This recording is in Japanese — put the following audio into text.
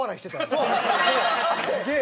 すげえ。